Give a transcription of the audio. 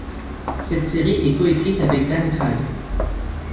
Cette série est coécrite avec Dan Cragg.